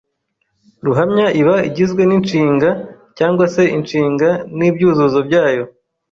Ruhamya iba igizwe n’inshinga cyangwa se inshinga n’ibyuzuzo byayo.